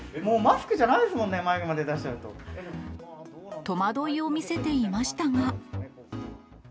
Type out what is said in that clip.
もうマスクじゃないですもんね、戸惑いを見せていましたが。